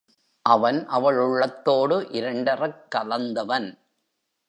அவன் அவள் உள்ளத்தோடு இரண்டறக் கலந்தவன்.